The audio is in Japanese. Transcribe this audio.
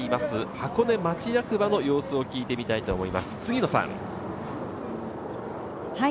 箱根町役場の様子を聞いてみたいと思います、杉野さはい。